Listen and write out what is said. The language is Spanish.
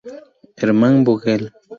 Hermann Vogel